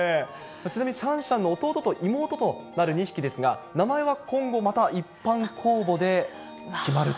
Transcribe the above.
ちなみにシャンシャンの弟と妹となる２匹ですが、名前は今後また、一般公募で決まると。